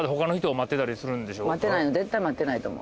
待ってないの絶対待ってないと思う。